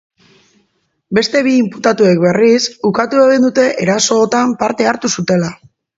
Beste bi inputatuek, berriz, ukatu egin dute erasootan parte hartu zutela.